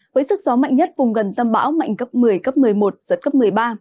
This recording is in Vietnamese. với sức gió mạnh nhất vùng gần tâm bão mạnh cấp một mươi cấp một mươi một giật cấp một mươi ba